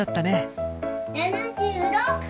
７６。